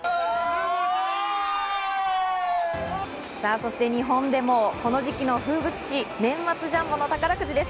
そして日本でもこの時期の風物詩、年末ジャンボの宝くじです。